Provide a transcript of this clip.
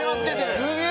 すげえ。